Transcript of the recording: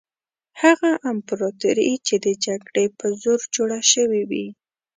هغه امپراطوري چې د جګړې په زور جوړه شوې وي.